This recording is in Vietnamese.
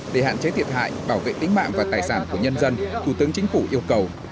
để hạn chế thiệt hại bảo vệ tính mạng và tài sản của nhân dân thủ tướng chính phủ yêu cầu